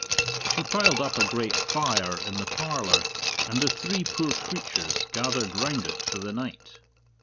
She piled up a great fire in the parlour, and the three poor creatures gathered round it for the night.